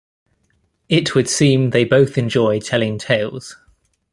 It would seem they both enjoyed telling tales.